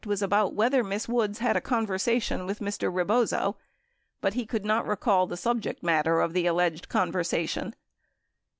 was about whether Miss Woods had a conversation with Mr. Re bozo", but he could not recall the subject matter of the alleged conver sation.